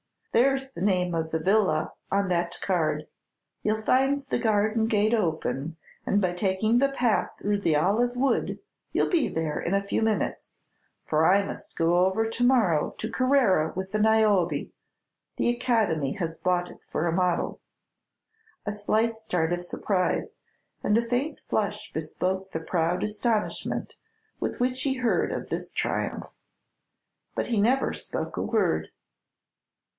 There's the name of the villa on that card. You 'll find the garden gate open, and by taking the path through the olive wood you 'll be there in a few minutes; for I must go over to morrow to Carrara with the Niobe; the Academy has bought it for a model." A slight start of surprise and a faint flush bespoke the proud astonishment with which he heard of this triumph; but he never spoke a word.